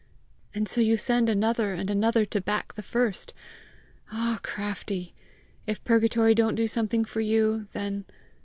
"And so you send another and another to back the first! Ah, Craftie! If purgatory don't do something for you, then